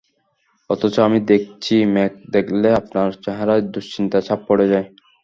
অথচ আমি দেখছি, মেঘ দেখলে আপনার চেহারায় দুশ্চিন্তার ছাপ পড়ে যায়।